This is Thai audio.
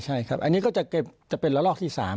ใช่ครับอันนี้ก็จะเป็นละลอกที่๓